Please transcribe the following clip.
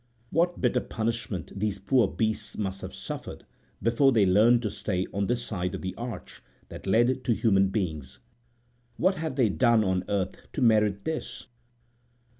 What bitter punishment these poor beasts must have suffered before they learned to stay on this side the arch that led to human beings! What had they done on earth to merit this?